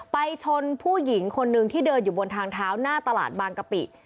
ไปชนผู้หญิงคนนึงที่เดินอยู่บนทางเท้าหน้าตลาดบางกะปิ